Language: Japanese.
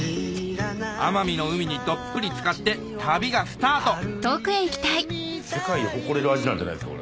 奄美の海にどっぷりつかって旅がスタート世界に誇れる味なんじゃないですか？